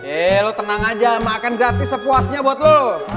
eh lo tenang aja makan gratis sepuasnya buat lo